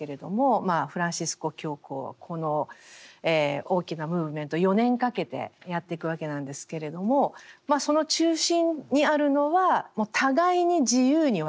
フランシスコ教皇はこの大きなムーブメントを４年かけてやっていくわけなんですけれどもその中心にあるのはもう互いに自由に分かち合うと。